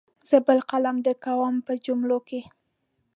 زه بل قلم درکوم په جملو کې.